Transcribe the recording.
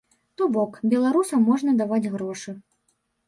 То бок, беларусам можна даваць грошы.